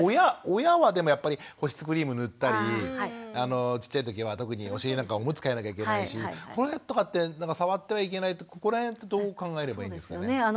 親はでもやっぱり保湿クリーム塗ったりちっちゃい時は特にお尻なんかおむつ替えなきゃいけないしこれとかって触ってはいけないここら辺ってどう考えればいいですかね。